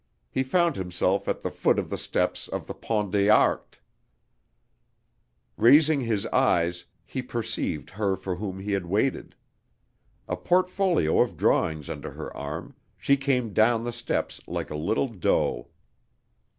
He found himself at the foot of the steps of the Pont des Arts. Raising his eyes he perceived her for whom he had waited. A portfolio of drawings under her arm, she came down the steps like a little doe.